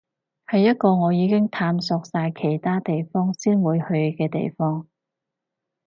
係一個我已經探索晒其他地方先會去嘅地方